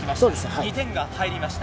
２点が入りました。